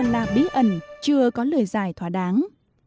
là bí ẩn chưa có lời giải thỏa đáng